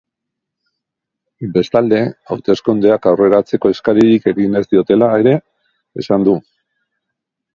Bestalde, hauteskundeak aurreratzeko eskaririk egin ez diotela ere esan du.